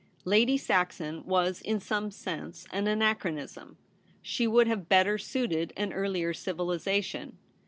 Lady Saxon was in some sense an anachronism ; she would have better suited an earlier civilization.